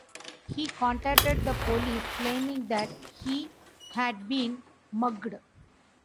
He contacted the police claiming that he had been mugged.